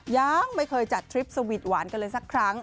ยังไม่เคยจัดทริปสวีทหวานกันเลยสักครั้ง